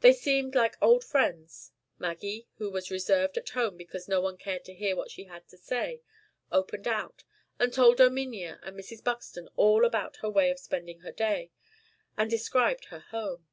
They seemed like old friends, Maggie, who was reserved at home because no one cared to hear what she had to say, opened out, and told Erminia and Mrs. Buxton all about her way of spending her day, and described her home.